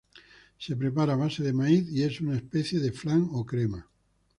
Se prepara a base de maíz y es una especie de flan o crema.